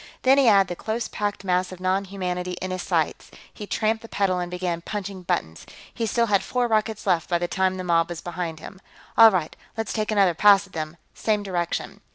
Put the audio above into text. Then he had the close packed mass of non humanity in his sights; he tramped the pedal and began punching buttons. He still had four rockets left by the time the mob was behind him. "All right, let's take another pass at them. Same direction."